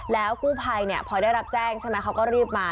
แล้วกู้ภัยเนี่ยพอได้รับแจ้งใช่ไหมเขาก็รีบมา